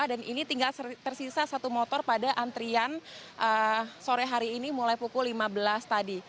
dan ini tinggal tersisa satu motor pada antrian sore hari ini mulai pukul lima belas tadi